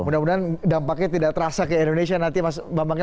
mudah mudahan dampaknya tidak terasa ke indonesia nanti mas bambang ya